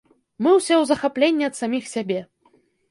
Мы ўсе ў захапленні ад саміх сябе.